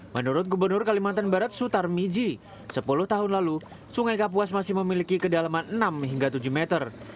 menurut gubernur kalimantan barat sutar miji sepuluh tahun lalu sungai kapuas masih memiliki kedalaman enam hingga tujuh meter